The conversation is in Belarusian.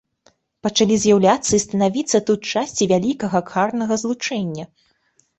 Пачалі з'яўляцца і станавіцца тут часці вялікага карнага злучэння.